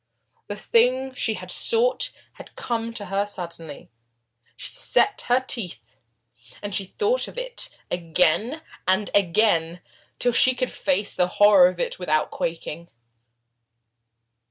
The thing she had sought had come to her suddenly. She set her teeth, and thought of it again and again, till she could face the horror of it without quaking.